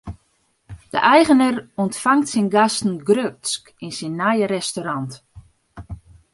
De eigener ûntfangt syn gasten grutsk yn syn nije restaurant.